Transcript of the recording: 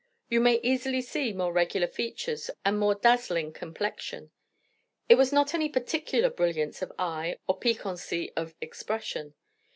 You may easily see more regular features and more dazzling complexion. It was not any particular brilliance of eye, or piquancy of expression.